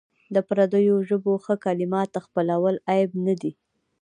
د پردیو ژبو ښه کلمات خپلول عیب نه دی.